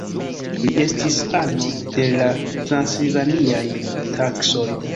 Li estis ano de la transilvaniaj saksoj.